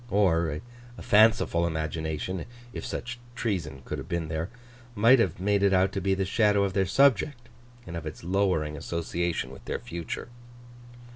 Or, a fanciful imagination—if such treason could have been there—might have made it out to be the shadow of their subject, and of its lowering association with their future.